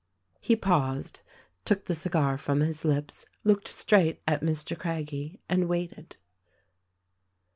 He paused — took the cigar from his lips — looked straight at Mr. Craggie, and waited.